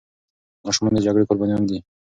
ماشومان د جګړې قربانيان دي.